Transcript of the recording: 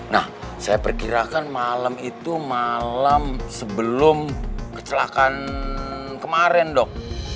nah saya perkirakan malam itu malam sebelum kecelakaan kemarin dok